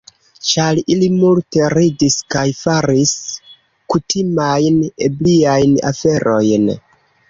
Ĉar ili multe ridis kaj faris kutimajn ebriajn aferojn.